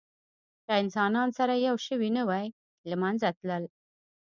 که انسانان سره یو شوي نه وی، له منځه تلل.